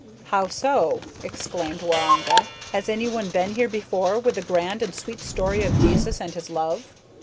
"How so?" exclaimed Waroonga, "has any one been here before with the grand and sweet story of Jesus and His love."